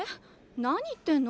何言ってんの？